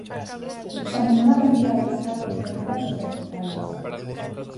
Examinó la cantidad de sal contenida en los vegetales.